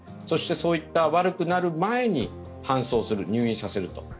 そしてそういった悪くなる前に搬送する、入院させると。